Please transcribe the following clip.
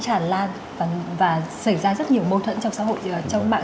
tràn lan và xảy ra rất nhiều mâu thuẫn trong xã hội trong mạng